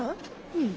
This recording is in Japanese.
うん。